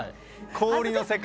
氷の世界！